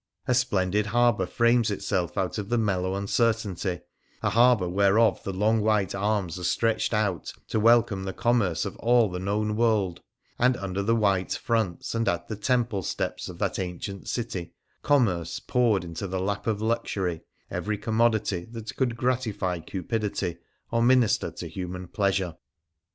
A splendid harbour frames itself out of the mellow uncertainty — a harbour whereof the long white arms are stretched out to welcome the commerce of all the known world ; and under the white fronts and at the temple steps of that ancient city, Commerce poured into the lap of Luxury every commodity that could gratify cupidity or minister to human pleasure.